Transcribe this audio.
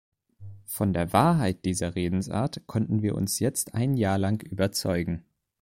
Von der Wahrheit dieser Redensart konnten wir uns jetzt ein Jahr lang überzeugen.